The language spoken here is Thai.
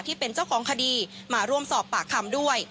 ที่เป็นเจ้าของคดีมาร่วมสอบปากคำด้วย